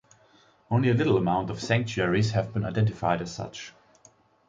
Only a little amount of sanctuaries have been identified as such.